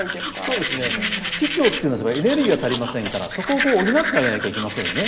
そうですね気虚というのはエネルギーが足りませんからそこを補ってあげなきゃいけませんよね。